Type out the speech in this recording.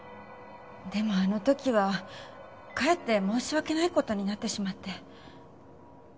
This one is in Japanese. でもあの時はかえって申し訳ない事になってしまって。